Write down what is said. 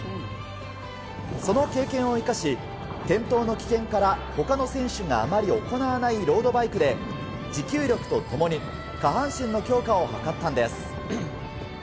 その経験を生かし、転倒の危険から他の選手があまり行わないロードバイクで持久力とともに下半身の強化を図ったのです。